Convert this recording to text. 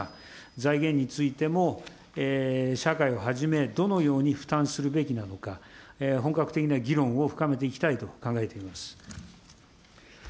財源についても社会をはじめ、どのように負担するべきなのか、本格的な議論を深めていきたいと考えております。